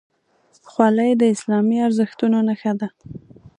خولۍ د اسلامي ارزښتونو نښه ده.